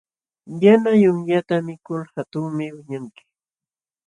Yana yunyata mikul hatunmi wiñanki.